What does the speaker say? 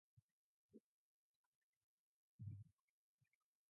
He was known for defying the Belgian economics establishment.